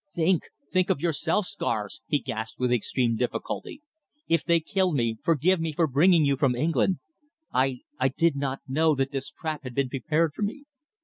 "Think! think of yourself, Scars!" he gasped with extreme difficulty. "If they kill me, forgive me for bringing you from England. I I did not know that this trap had been prepared for me."